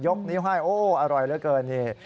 นิ้วให้โอ้อร่อยเหลือเกินนี่